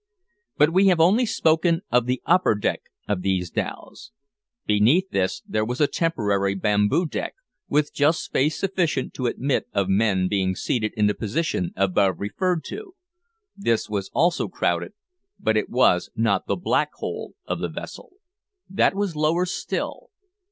But we have only spoken of the upper deck of these dhows. Beneath this there was a temporary bamboo deck, with just space sufficient to admit of men being seated in the position above referred to. This was also crowded, but it was not the "Black Hole" of the vessel. That was lower still.